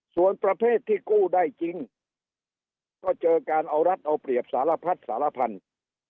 ส่วนประเภทที่กู้ได้จริงก็เจอการเอารัฐเอาเปรียบสารพัดสารพันธุ์